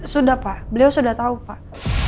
sudah pak beliau sudah tahu pak